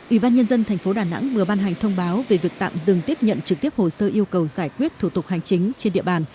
ủy ban nhân dân tp đà nẵng vừa ban hành thông báo về việc tạm dừng tiếp nhận trực tiếp hồ sơ yêu cầu giải quyết thủ tục hành chính trên địa bàn